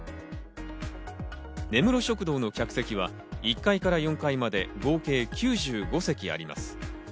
根室食堂の客席は、１階から４階まで合計９５席あります。